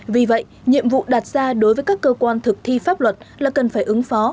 vì vậy nhiệm vụ đặt ra đối với các cơ quan thực thi pháp luật là cần phải ứng phó